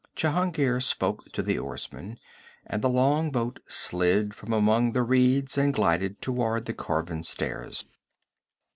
Jehungir spoke to the oarsmen, and the long boat slid from among the reeds and glided toward the carven stairs.